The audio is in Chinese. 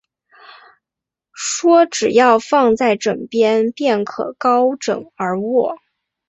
说只要放在枕边，便可高枕而卧